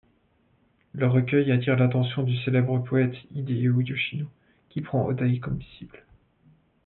Le recueil attire l'attention du célèbre poète Hideo Yoshino qui prend Hōdai comme disciple.